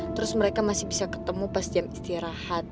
terus mereka masih bisa ketemu pas jam istirahat